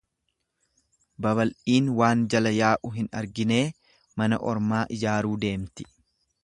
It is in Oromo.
Babal'iin waan jala yaa'u hin arginee mana ormaa ijaaruu deemti.